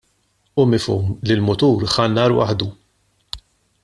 Hu mifhum li l-mutur ħa n-nar waħdu.